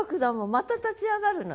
また立ち上がるのよ。